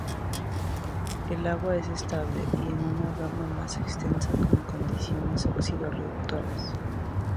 El agua es estable en una gama más extensa de condiciones oxido-reductoras.